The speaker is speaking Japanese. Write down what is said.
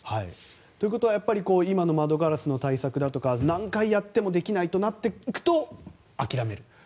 ということは今の窓ガラスの対策だとか何回やってもできないとなっていくと諦める。